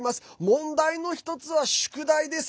問題の一つは宿題です。